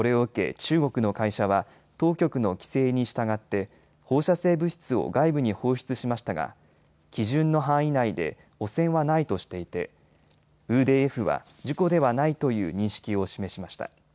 中国の会社は当局の規制に従って放射性物質を外部に放出しましたが基準の範囲内で汚染はないとしていてＥＤＦは、事故ではないという認識を示しました。